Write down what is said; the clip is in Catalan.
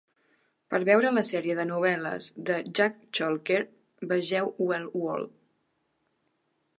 Per veure la sèrie de novel·les de Jack Chalker, vegeu Well World.